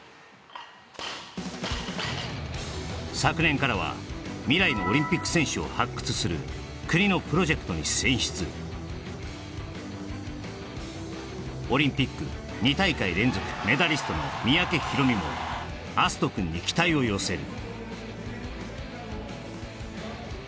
ｋｇ昨年からは未来のオリンピック選手を発掘する国のプロジェクトに選出オリンピック２大会連続メダリストの三宅宏実も敬くんに期待を寄せる